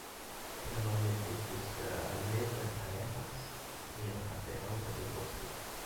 Generalmente busca alimento en parejas en la parte alta del bosque.